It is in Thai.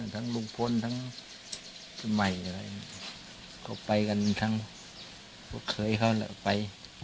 ทั้งลูกพลทั้งสมัยอะไรเขาไปกันทั้งเขาเคยเขาไป